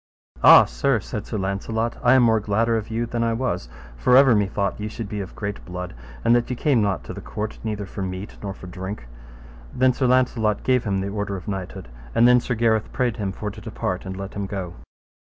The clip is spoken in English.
Ah, sir, said Sir Launcelot, I am more gladder of you than I was; for ever me thought ye should be of great blood, and that ye came not to the court neither for meat nor for drink. And then Sir Launcelot gave him the order of knighthood, and then Sir Gareth prayed him for to depart and let him go.